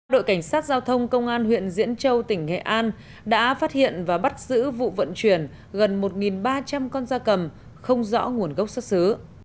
đội cảnh sát giao thông công an huyện diễn châu tỉnh nghệ an đã phát hiện và bắt giữ vụ vận chuyển gần một ba trăm linh con gia cầm không rõ nguồn gốc xuất xứ